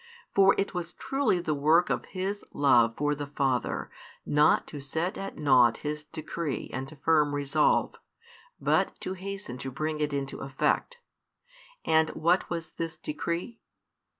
For it was truly the work of His love for the Father not to set at nought His decree and firm resolve, but to hasten to bring it into effect. And what was this decree?